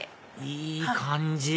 いい感じ